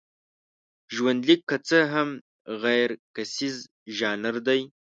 ژوندلیک که څه هم غیرکیسیز ژانر دی.